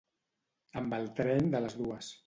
Amb el tren de les dues.